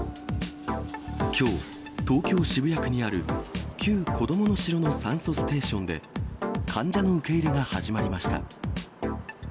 きょう、東京・渋谷区にある旧こどもの城の酸素ステーションで、患者の受け入れが始まりました。